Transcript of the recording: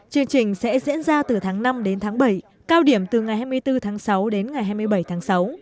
chương trình sẽ diễn ra từ tháng năm đến tháng bảy cao điểm từ ngày hai mươi bốn tháng sáu đến ngày hai mươi bảy tháng sáu